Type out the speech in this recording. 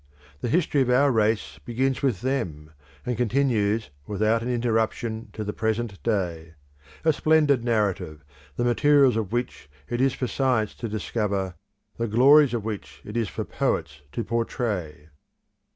The history of our race begins with them, and continues without an interruption to the present day; a splendid narrative, the materials of which it is for science to discover, the glories of which it is for poets to portray.